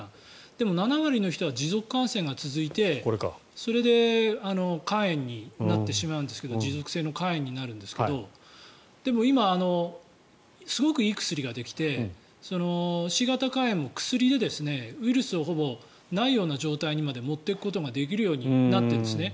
でも７割の人は持続感染が続いてそれで肝炎になってしまうんですが持続性の肝炎になるんですがでも今、すごくいい薬ができてＣ型肝炎も薬でウイルスをないような状態にまで持っていくことができるようになっているんですね。